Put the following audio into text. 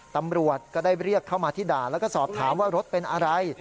ตำรวจก็ได้เรียกเข้ามาที่ด่าแล้วก็สอบถามว่ารถเป็นอะไร